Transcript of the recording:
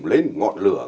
lên ngọn lửa